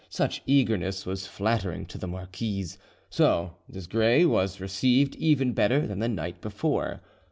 Such eagerness was flattering to the marquise, so Desgrais was received even better than the night before.